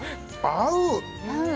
合う！